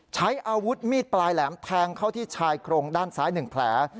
ใช้อาวุธมีดปลายแหลมแทงเข้าที่ชายโครงด้านซ้าย๑แผล